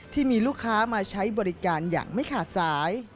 ที่มีลูกค้ามาใช้บริการอย่างไม่ขาดสาย